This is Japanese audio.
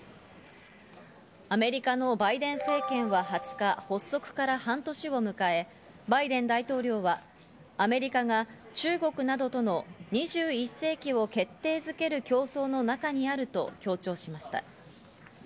アメリカのバイデン政権は２０日、発足から半年を迎え、バイデン大統領はアメリカが中国などとの２１世紀を決定づける競争の中にあると強調しました。